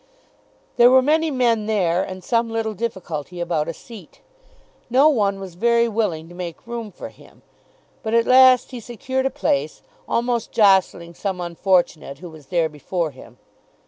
There were many men there, and some little difficulty about a seat. No one was very willing to make room for him. But at last he secured a place, almost jostling some unfortunate who was there before him.